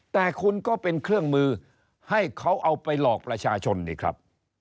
แต่คุณก็เป็นเครื่องมือให้เขาเอาไปหลอกประชาชนนี่ครับ